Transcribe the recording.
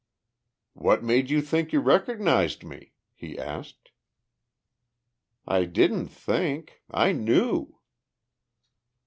"What made you think you recognized me?" he asked. "I didn't think. I knew."